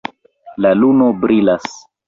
La luno brilas.